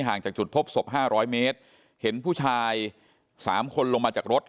ห่างจากจุดทบสบห้าร้อยเมตรเห็นผู้ชายสามคนลงมาจากรถ